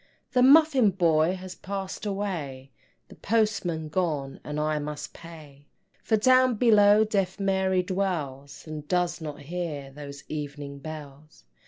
The Muffin boy has passed away, The Postman gone and I must pay, For down below Deaf Mary dwells, And does not hear those Evening Bells.